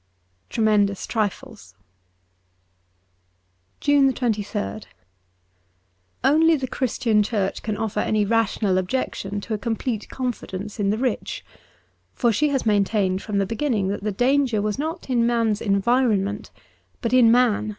' Tremendous 7ri fles.'* 191 JUNE 23rd ONLY the Christian Church can offer any rational objection to a complete confidence in the rich. For she has maintained from the beginning that the danger was not in man's environ ment, but in man.